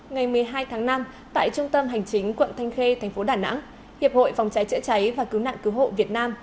ngày một mươi hai tháng năm tại trung tâm hành chính quận thanh khê thành phố đà nẵng hiệp hội phòng cháy chữa cháy và cứu nạn cứu hộ việt nam